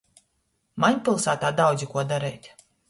Maņ piļsātā daudzi kuo dareit.